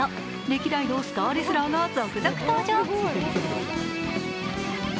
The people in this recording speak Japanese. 歴代のスターレスラーが続々登場。